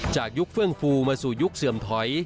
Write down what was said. ยุคเฟื่องฟูมาสู่ยุคเสื่อมถอย